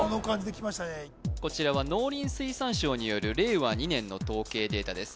こちらは農林水産省による令和２年の統計データです